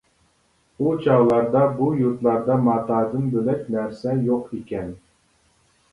ئۇ چاغلاردا بۇ يۇرتلاردا ماتادىن بۆلەك نەرسە يوق ئىكەن.